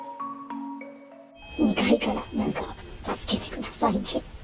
２階から、なんか、助けてくださいって。